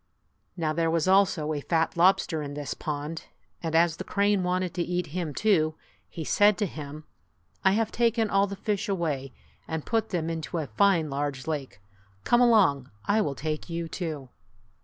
Now there was also a fat lobster in this pond, and as the crane wanted to eat him too, he said to him, "I have taken all the fish away and put them into a fine large lake. Come along. I will take you, too